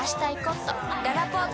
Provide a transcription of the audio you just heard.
ららぽーと